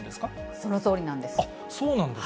そのとおりなんです。